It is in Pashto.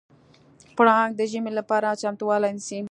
پړانګ د ژمي لپاره چمتووالی نیسي.